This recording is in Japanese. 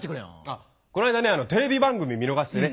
あっこないだねテレビ番組見逃してね